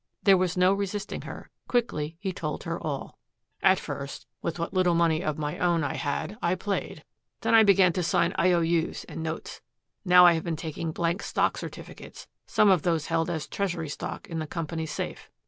There was no resisting her. Quickly he told her all. "At first with what little money of my own I had I played. Then I began to sign I O U's and notes. Now I have been taking blank stock certificates, some of those held as treasury stock in the company's safe.